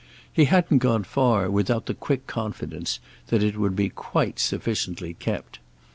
He hadn't gone far without the quick confidence that it would be quite sufficiently kept.